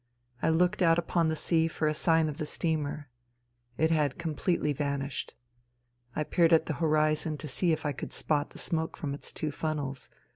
I looked out upon the sea for a sign of the steamer. It had completely vanished. I peered at the horizon to see if I could spot the smoke from its two funnels.